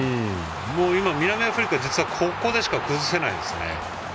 もう今、南アフリカ実はここでしか崩せないですね。